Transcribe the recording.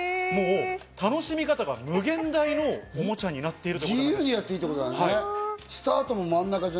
楽しみ方が無限大のおもちゃになっている。